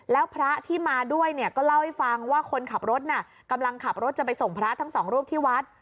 แล้วพระที่มาด้วยเนี่ยก็เล่าให้ฟังว่าคนขับรถน่ะกำลังขับรถจะไปส่งพระทั้งสองรูปที่วัด